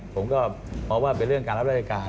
ผมก็มองว่าเป็นเรื่องการรับราชการ